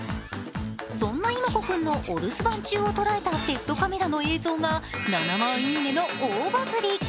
そんな妹子君のお留守番中の姿を捉えたペットカメラの映像が７万いいね！の大バズり。